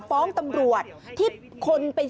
ก็ตอบได้คำเดียวนะครับ